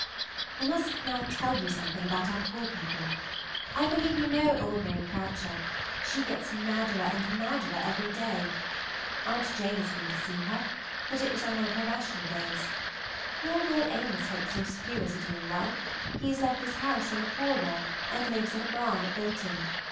I must now tell you something about our poor people. I believe you know old Mary Croucher; she gets maderer and maderer every day. Aunt Jane has been to see her, but it was on one of her rational days. Poor Will Amos hopes your skewers are doing well; he has left his house in the poor Row, and lives in a barn at Builting.